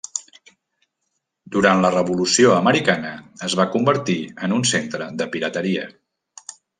Durant la Revolució Americana es va convertir en un centre de pirateria.